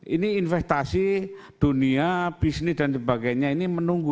ini investasi dunia bisnis dan sebagainya ini menunggu